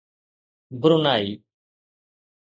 Brunei